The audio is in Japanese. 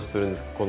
この。